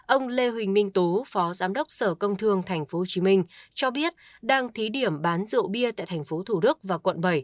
ông lê huỳnh minh tú phó giám đốc sở công thương tp hcm cho biết đang thí điểm bán rượu bia tại tp thủ đức và quận bảy